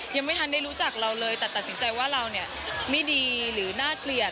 ยังไม่ทันได้รู้จักเราเลยแต่ตัดสินใจว่าเราเนี่ยไม่ดีหรือน่าเกลียด